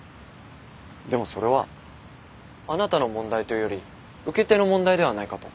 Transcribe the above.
でもそれはあなたの問題というより受け手の問題ではないかと。